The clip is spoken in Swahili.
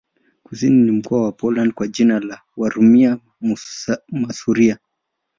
Kusini ni mkoa wa Poland kwa jina la Warmia-Masuria.